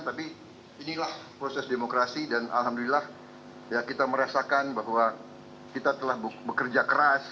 tapi inilah proses demokrasi dan alhamdulillah kita merasakan bahwa kita telah bekerja keras